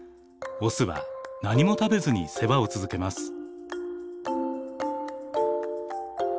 オスは何も食べずに世話を続けます。